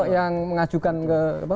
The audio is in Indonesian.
yang mengajukan ke dpr